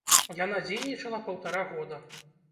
Яна дзейнічала паўтара года.